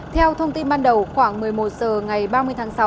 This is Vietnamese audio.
theo thông tin ban đầu khoảng một mươi một h ngày ba mươi tháng sáu